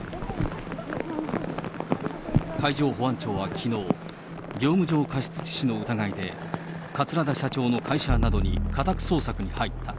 海上保安庁はきのう、業務上過失致死の疑いで、桂田社長の会社などに家宅捜索に入った。